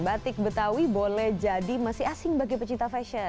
batik betawi boleh jadi masih asing bagi pecinta fashion